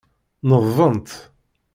Neḍbent.